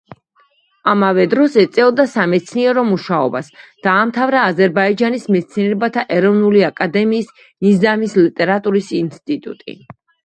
ამავე დროს ეწეოდა სამეცნიერო მუშაობას, დაამთავრა აზერბაიჯანის მეცნიერებათა ეროვნული აკადემიის ნიზამის ლიტერატურის ინსტიტუტი.